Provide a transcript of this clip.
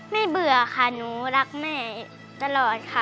เบื่อค่ะหนูรักแม่ตลอดค่ะ